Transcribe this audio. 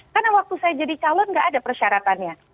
karena waktu saya jadi calon nggak ada persyaratannya